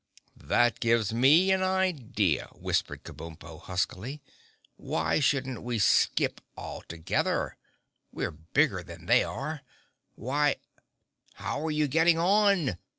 "That gives me an idea," whispered Kabumpo huskily. "Why shouldn't we skip altogether? We're bigger than they are. Why—" "How are you getting on?"